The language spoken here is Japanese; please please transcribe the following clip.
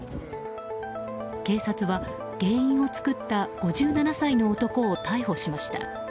警察は原因を作った５７歳の男を逮捕しました。